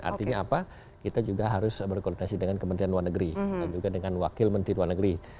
artinya apa kita juga harus berkoordinasi dengan kementerian luar negeri dan juga dengan wakil menteri luar negeri